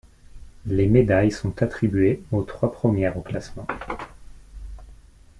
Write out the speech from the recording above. Les médailles sont attribuées aux trois premières au classement.